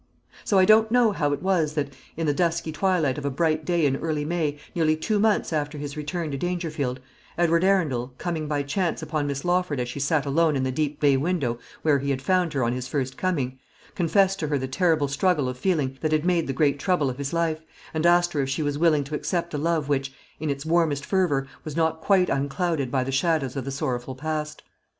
So I don't know how it was that, in the dusky twilight of a bright day in early May, nearly two months after his return to Dangerfield, Edward Arundel, coming by chance upon Miss Lawford as she sat alone in the deep bay window where he had found her on his first coming, confessed to her the terrible struggle of feeling that made the great trouble of his life, and asked her if she was willing to accept a love which, in its warmest fervour, was not quite unclouded by the shadows of the sorrowful past.